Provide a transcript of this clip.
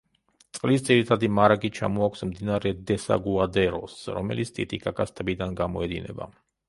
წყლის ძირითადი მარაგი ჩამოაქვს მდინარე დესაგუადეროს, რომელიც ტიტიკაკას ტბიდან გამოედინება.